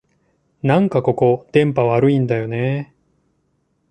なんかここ、電波悪いんだよねえ